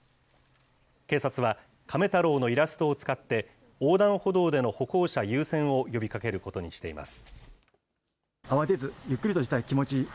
警察は、カメ太郎のイラストを使って、横断歩道での歩行者優先を呼びかけることにしています。